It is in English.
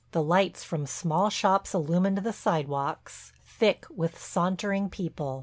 The lights from small shops illumined the sidewalks, thick with sauntering people.